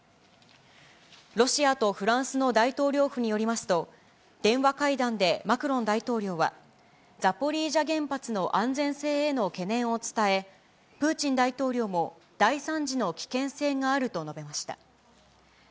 ロシアとフランスの大統領府によりますと、電話会談でマクロン大統領は、ザポリージャ原発の安全性への懸念を伝え、プーチン大統領も、大惨事の危険性があると述べました。